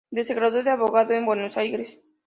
Se graduó de abogado en Buenos Aires.